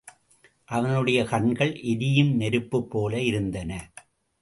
அவனுடைய கண்கள் எரியும் நெருப்புப்போல இருந்தன.